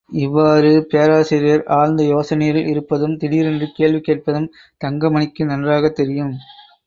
இவ்வாறு பேராசிரியர் ஆழ்ந்த யோசனையில் இருப்பதும், திடீரென்று கேள்வி கேட்பதும் தங்கமணிக்கு நன்றாகத் தெரியும்.